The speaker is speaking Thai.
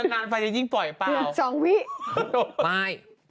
ทีนี้